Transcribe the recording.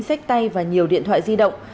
sách tay và nhiều điện thoại di động